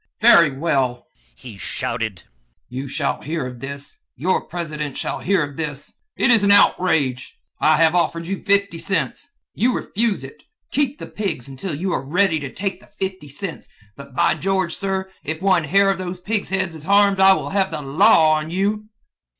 "Very well!" he shouted, "you shall hear of this! Your president shall hear of this! It is an outrage! I have offered you fifty cents. You refuse it! Keep the pigs until you are ready to take the fifty cents, but, by George, sir, if one hair of those pigs' heads is harmed I will have the law on you!"